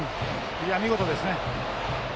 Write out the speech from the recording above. いや見事ですね。